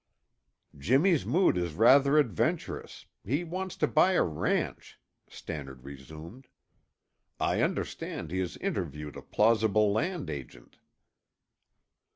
"Jimmy's mood is rashly adventurous; he wants to buy a ranch," Stannard resumed. "I understand he has interviewed a plausible land agent."